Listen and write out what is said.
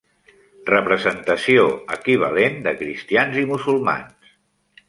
Representació equivalent de cristians i musulmans.